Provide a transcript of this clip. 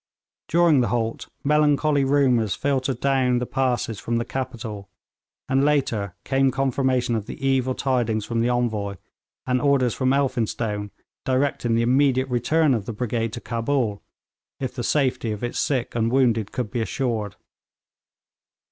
During the halt melancholy rumours filtered down the passes from the capital, and later came confirmation of the evil tidings from the Envoy, and orders from Elphinstone directing the immediate return of the brigade to Cabul, if the safety of its sick and wounded could be assured.